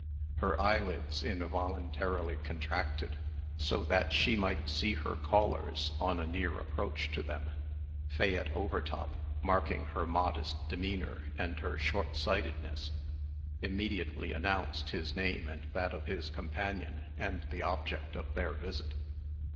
Her eyelids involuntarily contracted, so that she might see her callers on a near approach to them. Fayette Overtop, marking her modest demeanor and her short sightedness, immediately announced his name and that of his companion, and the object of their visit.